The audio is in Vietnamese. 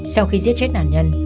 sau khi giết chết nạn nhân